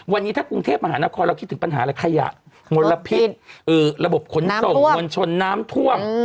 วันนี้ถ้ากรุงเทพมหานครเราคิดถึงปัญหาอะไรขยะมลพิษระบบขนส่งมวลชนน้ำท่วม